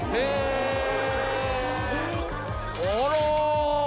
あら。